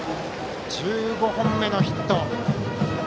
１５本目のヒット。